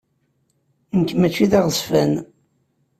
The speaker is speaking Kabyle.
Nekk mačči d aɣezzfan.